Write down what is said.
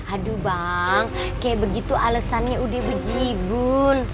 aduh bang kayak begitu alesannya udah bejibun